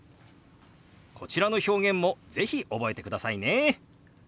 こちらの表現も是非覚えてくださいね。